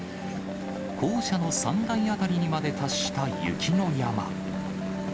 校舎の３階辺りにまで達した雪の山。